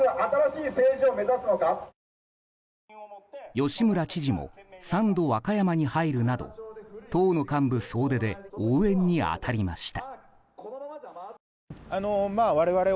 吉村知事も３度和歌山に入るなど党の幹部総出で応援に当たりました。